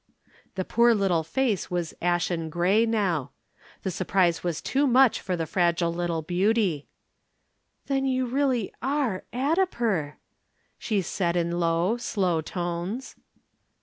The poor little face was ashen gray now. The surprise was too much for the fragile little beauty. "Then you really are Addiper!" she said in low, slow tones.